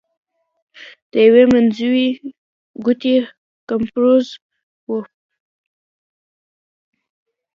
د یوې منځوۍ ګوتې کمپوزر و.